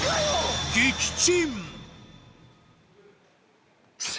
撃沈